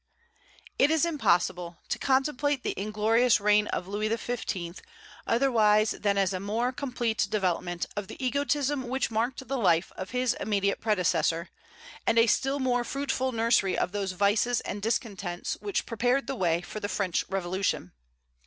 It is impossible to contemplate the inglorious reign of Louis XV. otherwise than as a more complete development of the egotism which marked the life of his immediate predecessor, and a still more fruitful nursery of those vices and discontents which prepared the way for the French Revolution.